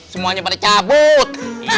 semuanya pada cabut